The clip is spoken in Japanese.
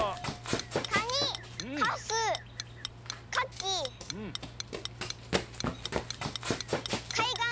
「かに」「かす」「かき」「かいがん」。